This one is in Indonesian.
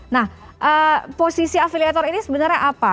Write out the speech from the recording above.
nah posisi afiliator ini sebenarnya apa